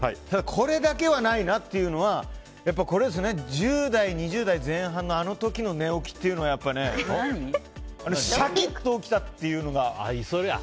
これだけはないなっていうのは１０代、２０代前半のあの時の寝起きっていうのはシャキッと起きたっていうのが。